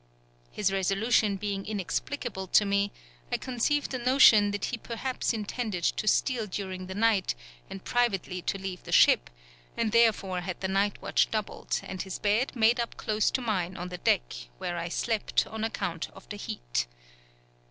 His resolution being inexplicable to me, I conceived a notion that he perhaps intended to steal during the night, and privately to leave the ship, and therefore had the night watch doubled, and his bed made up close to mine on the deck, where I slept, on account of the heat.